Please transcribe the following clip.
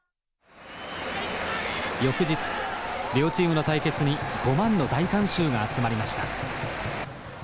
翌日両チームの対決に５万の大観衆が集まりました。